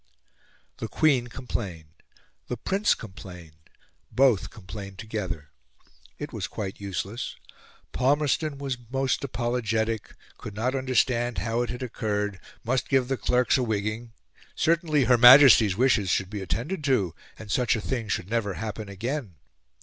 The Queen complained, the Prince complained: both complained together. It was quite useless. Palmerston was most apologetic could not understand how it had occurred must give the clerks a wigging certainly Her Majesty's wishes should be attended to, and such a thing should never happen again.